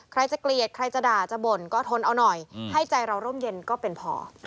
ใครจะเกลียดใครจะด่าจะบ่นก็ทนเอาหน่อยให้ใจเราร่มเย็นก็เป็นพอ